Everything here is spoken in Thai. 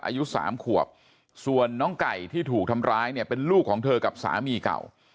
อายุ๓ขวบส่วนน้องไก่ที่ถูกทำร้ายเนี่ยเป็นลูกของเธอกับสามีเก่า